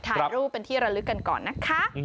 ถ่ายรูปเป็นที่ระลึกกันก่อนนะคะ